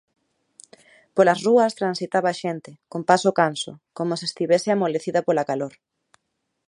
Polas rúas transitaba a xente, con paso canso, como se estivese amolecida pola calor.